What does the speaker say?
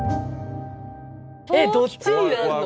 えっどっちになるの？